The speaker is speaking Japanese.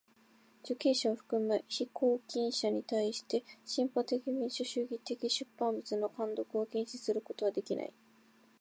受刑者を含む被拘禁者にたいして進歩的民主主義的出版物の看読を禁止することはできない。